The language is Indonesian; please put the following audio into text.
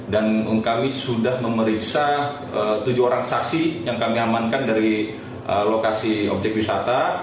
kami sudah memeriksa tujuh orang saksi yang kami amankan dari lokasi objek wisata